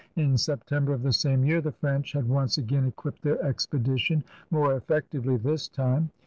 In Septem ber of the same year the French had once again equipped their expedition, more effectively this time.